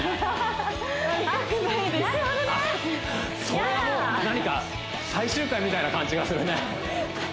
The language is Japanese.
それはもう何か最終回みたいな感じがするね